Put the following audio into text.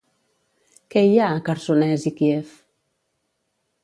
Què hi ha a Quersonès i Kíev?